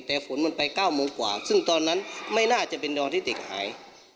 แต่ฝนมันไป๙โมงกว่าซึ่งตอนนั้นไม่น่าจะเป็นดอนที่เด็กหาย